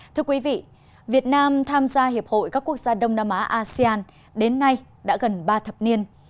thưa quý vị việt nam tham gia hiệp hội các quốc gia đông nam á asean đến nay đã gần ba thập niên